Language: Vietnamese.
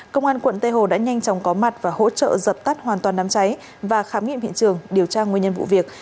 công an quận tây hồ đã nhanh chóng có mặt và hỗ trợ dập tắt hoàn toàn đám cháy và khám nghiệm hiện trường điều tra nguyên nhân vụ việc